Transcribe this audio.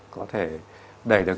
có thể đẩy được